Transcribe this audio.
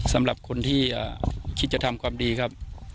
สำหรับคนที่คิดจะทำความดีครับ